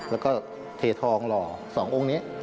แล้วก็เททองหล่อ๒องค์นี้